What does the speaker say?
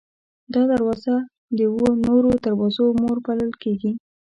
دا دروازه د اوو نورو دروازو مور بلل کېږي.